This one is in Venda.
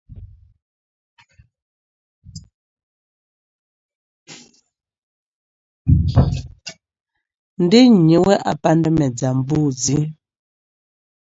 Ndi nnyi we a pandamedza mbudzi?